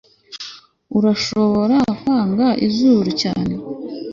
urashobora kwanga izuru cyane